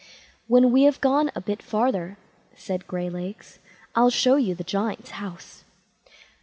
"When we have gone a bit farther", said Graylegs; "I'll show you the Giant's house."